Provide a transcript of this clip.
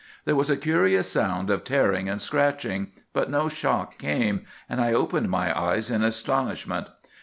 There was a curious sound of tearing and scratching; but no shock came, and I opened my eyes in astonishment.